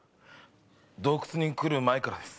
洞窟に来る前からです。